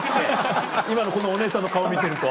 今のこのお姉さんの顔見てると。